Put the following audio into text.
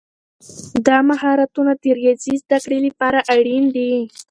دا مهارتونه د ریاضي زده کړې لپاره اړین دي.